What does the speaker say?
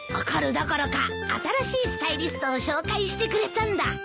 怒るどころか新しいスタイリストを紹介してくれたんだ。